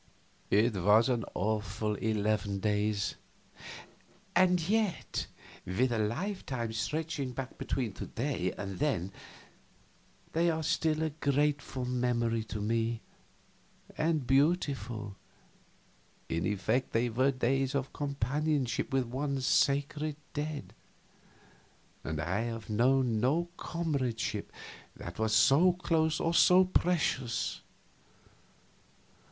It was an awful eleven days; and yet, with a lifetime stretching back between to day and then, they are still a grateful memory to me, and beautiful. In effect they were days of companionship with one's sacred dead, and I have known no comradeship that was so close or so precious.